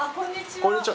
こんにちは。